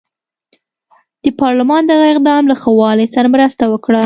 د پارلمان دغه اقدام له ښه والي سره مرسته وکړه.